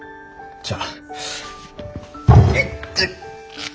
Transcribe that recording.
じゃあ。